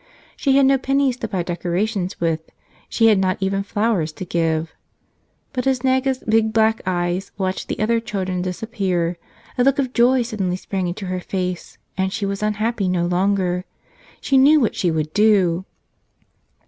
She had no pennies to buy decor¬ ations with; she had not even flowers to give. But as Naga's big black eyes watched the other children dis¬ appear, a look of joy suddenly sprang into her face — and she was unhappy no longer. She knew what she would do